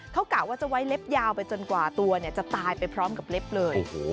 เขากะว่าจะไว้เล็บยาวไปจนกว่าตัวจะตายไปพร้อมกับเล็บเลย